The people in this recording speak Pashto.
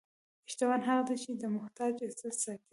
شتمن هغه دی چې د محتاج عزت ساتي.